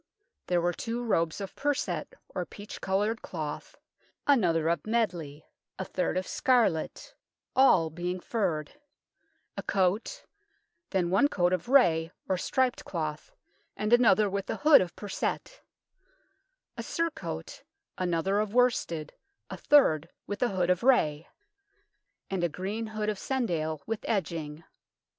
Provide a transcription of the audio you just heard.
There were two robes of perset, or peach coloured cloth, another of medley, a third of scarlet, all being furred ; a coat, then one coat of ray, or striped cloth, and another with a hood of perset ; a surcoat, another of worsted, a third with a hood of ray ; and a green hood of cendale, with edging.